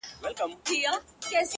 • زموږ پاچا دی موږ په ټولو دی منلی,